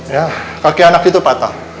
ya kaki anak itu patah